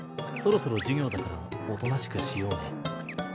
そろそろ授業だからおとなしくしようね。